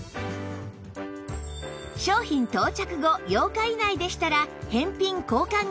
商品到着後８日以内でしたら返品・交換が可能です